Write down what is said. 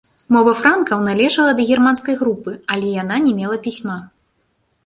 Мова франкаў належала да германскай групы, але яна не мела пісьма.